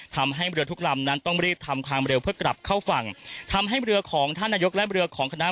ทำให้เรือทุกลำนั้นต้องรีบทำความเร็วเพื่อกลับเข้าฝั่งทำให้เรือของท่านนายกและเรือของคณะ